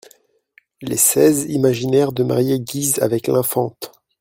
Les Seize imaginèrent de marier Guise avec l'infante.